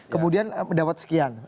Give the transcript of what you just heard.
kemudian dapat sekian